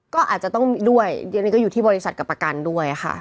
ก็อาจจะต้องด้วยเดี๋ยวนี้ก็อยู่ที่บริษัทกับประกันด้วยค่ะ